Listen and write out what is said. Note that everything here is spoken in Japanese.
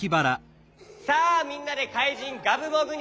さあみんなでかいじんガブモグに。